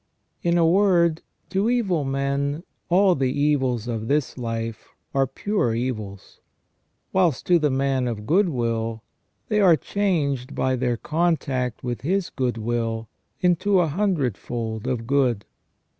In a word, to evil men all the evils of this life are pure evils ; whilst to the man of good will they are changed by their contact with his good will into a hundredfold of good.